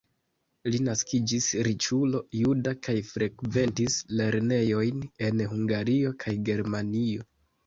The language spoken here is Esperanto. Li naskiĝis riĉulo juda kaj frekventis lernejojn en Hungario kaj Germanio.